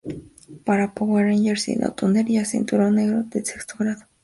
Para "Power Rangers Dino Thunder", ya cinturón negro de sexto grado.